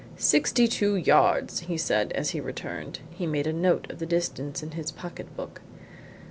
"Sixty two yards!" he said, as he returned. He made a note of the distance in his pocket book.